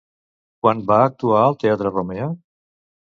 Quan va actuar al teatre Romea?